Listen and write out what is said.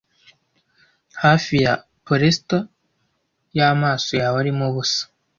Hafi ya polestar y'amaso yawe arimo ubusa,